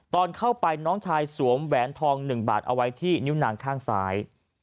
ตอนเข้าไปน้องชายสวมแหวนทอง๑บาทเอาไว้ที่นิ้วนางข้างซ้าย